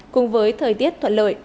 cùng với thời tiết thuận lợi